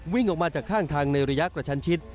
วิ่งออกมาจากข้างทางในระยะกระชันชิด